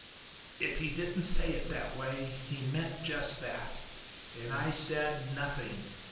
If he didn't say it that way he meant just that. And I said, 'Nothing.